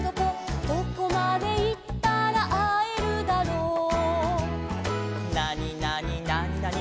「どこまでいったらあえるだろう」「なになになになに」